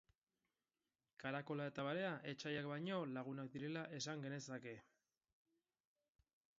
Karakola eta barea etsaiak baino lagunak direla esan genezake.